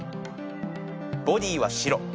ボディーは白。